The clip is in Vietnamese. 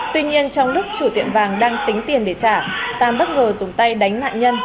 tuy nhiên trong lúc chủ tiệm vàng đang tính tiền để trả tam bất ngờ dùng tay đánh nạn nhân